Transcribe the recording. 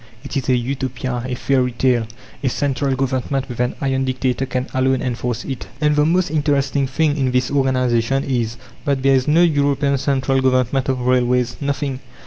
It is a Utopia, a fairy tale. A central Government, with an 'iron' dictator, can alone enforce it." And the most interesting thing in this organization is, that there is no European Central Government of Railways! Nothing!